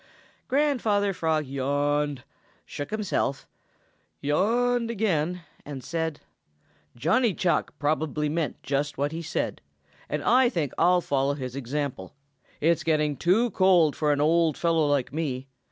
Grandfather Frog yawned, shook himself, yawned again, and said: "Johnny Chuck probably meant just what he said, and I think I'll follow his example. It's getting too cold for an old fellow like me.